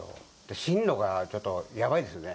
進路がちょっと、やばいですね。